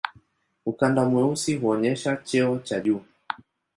Ukanda mweusi huonyesha cheo cha juu.